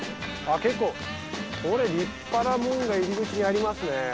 結構立派な門が入り口にありますね。